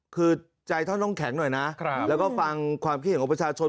คือใจท่านต้องแข็งหน่อยนะแล้วก็ฟังความคิดเห็นของประชาชน